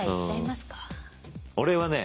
俺はね